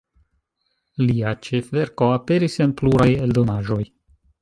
Lia ĉefverko aperis en pluraj eldonaĵoj.